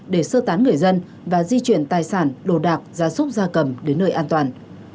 để sơ tán người dân và di chuyển tài sản đồ đạc gia súc gia cầm đến nơi an toàn